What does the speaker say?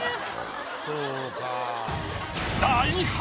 そうか。